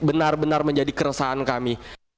benar benar menjadi keresahan kami